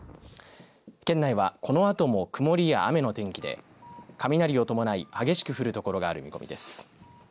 県内はこのあとも曇りや雨の天気で雷を伴い激しく降る所がある見込みです。